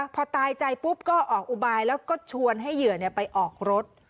พอตายใจปุ๊บก็ออกอุบายแล้วก็ชวนให้เหยื่อไปออกรถ